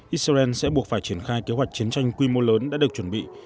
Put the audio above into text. israel sẽ buộc phải triển khai kế hoạch chiến tranh quy mô lớn đã được chuẩn bị